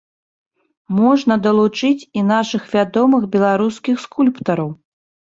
Можна далучыць і нашых вядомых беларускіх скульптараў.